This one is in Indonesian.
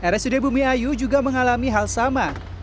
rsud bumiayu juga mengalami hal sama